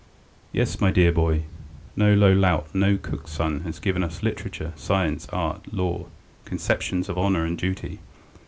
Yes, my dear boy, no low lout, no cook's son has given us literature, science, art, law, conceptions of honour and duty